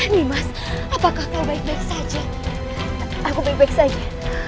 nimas apa kau baik baik saja aku baik baik saja